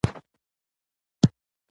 د مېلو په ورځو کښي خلک سفرونه کوي.